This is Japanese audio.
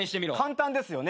簡単ですよね。